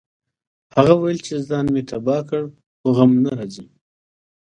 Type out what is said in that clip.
هغه ویل ځان مې تباه کړ خو غم نه راځي